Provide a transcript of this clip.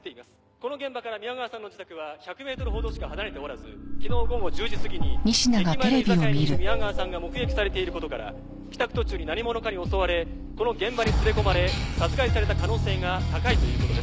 この現場から宮川さんの自宅は１００ｍほどしか離れておらず昨日午後１０時すぎに駅前の居酒屋にいる宮川さんが目撃されていることから帰宅途中に何者かに襲われこの現場に連れ込まれ殺害された可能性が高いということです。